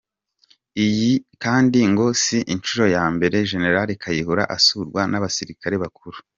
Iyi kandi ngo si inshuro ya mbere Gen Kayihura asurwa n’abasirikare bakuru.